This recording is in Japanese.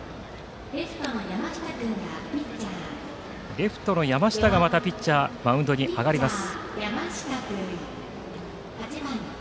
レフトの山下がまたピッチャーマウンドに上がります。